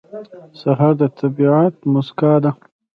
سهار د طبیعت موسکا ده.